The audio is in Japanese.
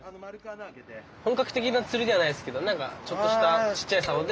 本格的な釣りではないですけど何かちょっとしたちっちゃいさおで。